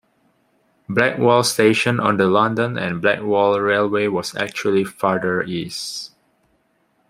Blackwall station on the London and Blackwall Railway was actually farther east.